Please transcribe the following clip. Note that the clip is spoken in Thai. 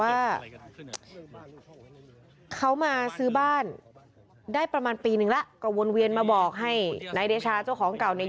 ว่าเขามาซื้อบ้านได้ประมาณปีนึงแล้วก็วนเวียนมาบอกให้นายเดชาเจ้าของเก่าเนี่ย